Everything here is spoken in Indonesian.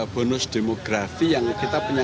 bonus demografi yang kita punya